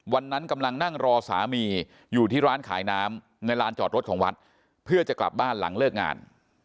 วันนั้นกำลังนั่งรอสามีอยู่ที่ร้านขายน้ำในลานจอดรถของวัดเพื่อจะกลับบ้านหลังเลิกงาน